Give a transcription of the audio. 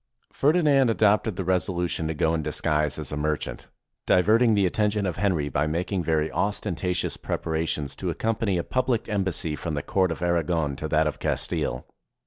Ferdinand adopted the resolution to go in disguise as a merchant, diverting the attention of Henry by making very ostentatious prepara tions to accompany a public embassy from the Court of Aragon to that of Castile.